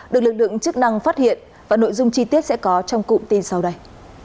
được lực lượng chức năng phát hiện và nội dung chi tiết sẽ có trong cụm tin sau đây